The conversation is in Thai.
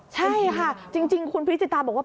ใช่ค่ะจริงคุณพริจิตาบอกว่า